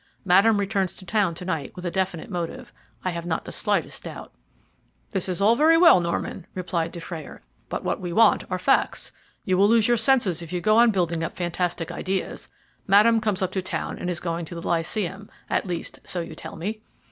Madame returns to town to night with a definite motive, I have not the slightest doubt." "This is all very well, Norman," replied Dufrayer, "but what we want are facts. You will lose your senses if you go on building up fantastic ideas. Madame comes up to town and is going to the Lyceum; at least, so you tell me?"